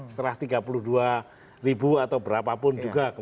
setelah tiga puluh dua ribu atau berapa pun